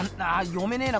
読めねえな。